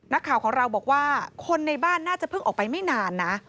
นักข่าวของเราบอกว่าคนในบ้านน่าจะเพิ่งออกไปไม่นานนะ